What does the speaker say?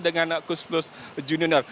dengan kus plus junior